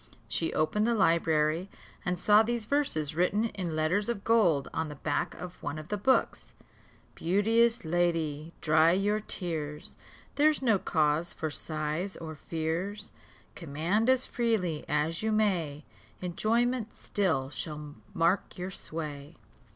She opened the library, and saw these verses written in letters of gold on the back of one of the books: "Beauteous lady, dry your tears, Here's no cause for sighs or fears; Command as freely as you may, Enjoyment still shall mark your sway."